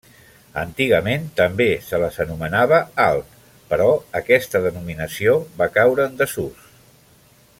Antigament també se les anomenava alt, però aquesta denominació va caure en desús.